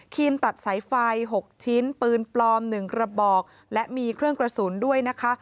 ตัดสายไฟ๖ชิ้นปืนปลอม๑กระบอกและมีเครื่องกระสุนด้วยนะคะ